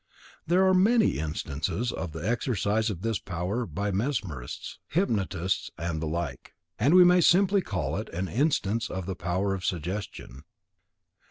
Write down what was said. There are many instances of the exercise of this power, by mesmerists, hypnotists and the like; and we may simply call it an instance of the power of suggestion.